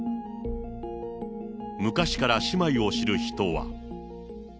昔から姉妹を知る人は。